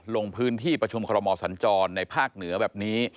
ลงพื้นที่ประชุมคอรมอสัญจรในภาคเหนือแบบนี้